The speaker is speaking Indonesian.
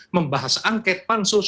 membahas angket pansus